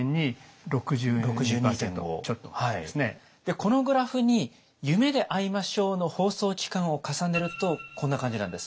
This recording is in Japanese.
このグラフに「夢であいましょう」の放送期間を重ねるとこんな感じなんです。